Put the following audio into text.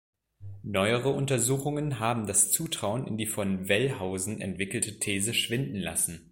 Neuere Untersuchungen haben das Zutrauen in die von Wellhausen entwickelte These schwinden lassen.